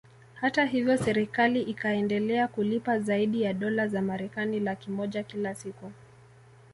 Hata hivyo serikali ikaendelea kulipa zaidi ya dolar za Marekani laki moja kila siku